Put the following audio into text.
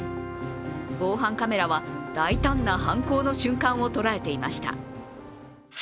防犯カメラは大胆な犯行の瞬間を捉えていました。